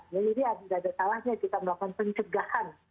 jadi tidak ada salahnya kita melakukan pencegahan